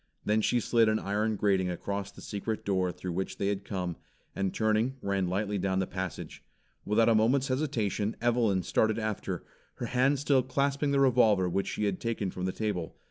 Then she slid an iron grating across the secret door through which they had come, and turning ran lightly down the passage. Without a moment's hesitation, Evelyn started after, her hand still clasping the revolver which she had taken from the table.